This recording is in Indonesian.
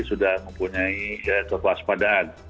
sudah mempunyai kekuasaan